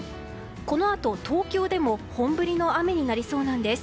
このあと、東京でも本降りの雨になりそうなんです。